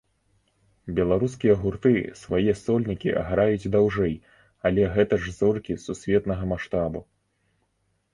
Беларускія гурты свае сольнікі граюць даўжэй, але гэта ж зоркі сусветнага маштабу.